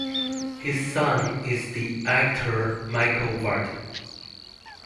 His son is the actor Michael Vartan.